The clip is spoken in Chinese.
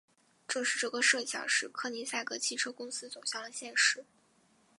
正是这个设想使柯尼塞格汽车公司走向了现实。